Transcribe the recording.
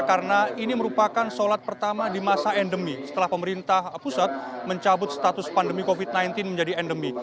karena ini merupakan sholat pertama di masa endemi setelah pemerintah pusat mencabut status pandemi covid sembilan belas menjadi endemi